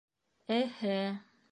- Эһе!